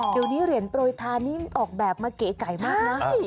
เดี๋ยวนี้เหรียญโปรยทานนี้มันออกแบบมาเก๋ไก่มากนะ